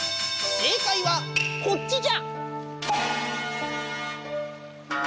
正解はこっちじゃ！